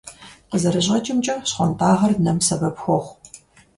КъызэрыщӀэкӀымкӀэ, щхъуантӀагъэр нэм сэбэп хуохъу.